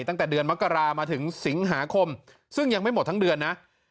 ตั้งแต่เดือนมกรามาถึงสิงหาคมซึ่งยังไม่หมดทั้งเดือนนะ